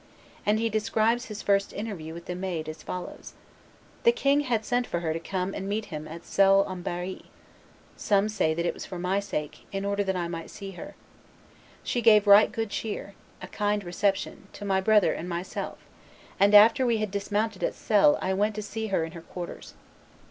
And he describes his first interview with the Maid as follows: "The king had sent for her to come and meet him at Selles en Berry. Some say that it was for my sake, in order that I might see her. She gave right good cheer (a kind reception) to my brother and myself; and after we had dismounted at Selles I went to see her in her quarters.